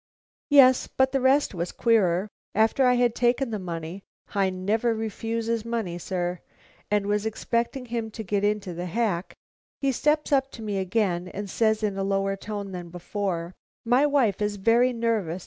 "Yes, but the rest was queerer. After I had taken the money I never refuses money, sir and was expecting him to get into the hack, he steps up to me again and says in a lower tone than before: 'My wife is very nervous.